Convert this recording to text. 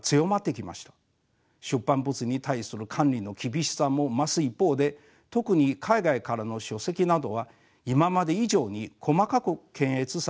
出版物に対する管理の厳しさも増す一方で特に海外からの書籍などは今まで以上に細かく検閲されています。